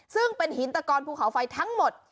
ซึ่งเป็นหินตะกอนภูเขาไฟทั้งหมด